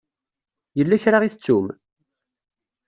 Yella kra i tettum?